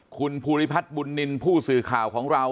คุณภูริพัฒน์บุญนินทร์ผู้สื่อข่าวของเรา